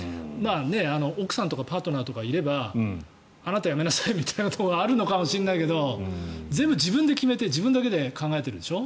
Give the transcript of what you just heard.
奥さんとかパートナーとかいればあなた、やめなさいみたいなのがあるのかもしれないけど全部自分で決めて自分だけで考えてるでしょ。